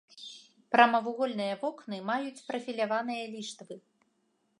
Прамавугольныя вокны маюць прафіляваныя ліштвы.